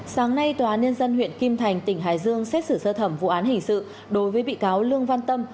sáng nay tòa án nhân dân huyện kim thành tỉnh hải dương xét xử sơ thẩm vụ án hình sự đối với bị cáo lương văn tâm